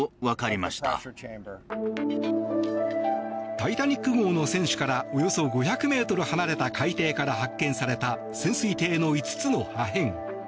「タイタニック号」の船首からおよそ５００ｍ離れた海底から発見された潜水艇の５つの破片。